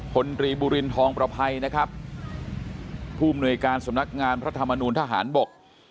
ตรีบุรินทองประภัยนะครับผู้มนวยการสำนักงานพระธรรมนูลทหารบก